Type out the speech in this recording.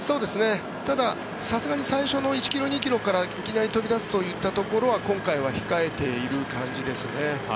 ただ、さすがに最初の１ｋｍ、２ｋｍからいきなり飛び出すというところは今回は控えている感じですね。